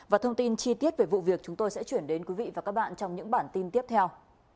và thông tin chi tiết về vụ việc chúng tôi sẽ chuyển đến quý vị và các bạn trong những bản tin tiếp theo